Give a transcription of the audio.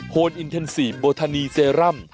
นอินเทนซีฟโบทานีเซรั่ม